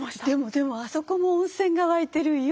でもでもあそこも温泉が湧いてる。